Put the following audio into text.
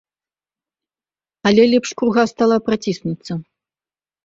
Але лепш круга стала праціснуцца.